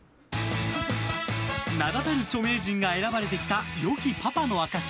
名だたる著名人が選ばれてきた良きパパの証し